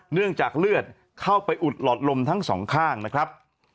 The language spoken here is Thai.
เนื่องจากเลือดเข้าไปอุดหลอดลมทั้งสองข้างนะครับ